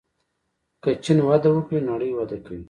که چین وده وکړي نړۍ وده کوي.